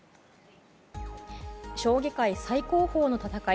将棋界最高峰の戦い